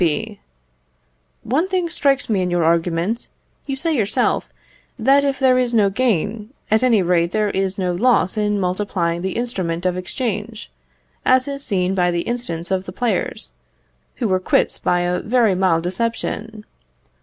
B. One thing strikes me in your argument. You say yourself, that if there is no gain, at any rate there is no loss in multiplying the instrument of exchange, as is seen by the instance of the players, who were quits by a very mild deception.